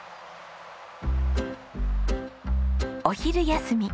お昼休み。